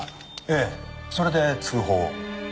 ええそれで通報を。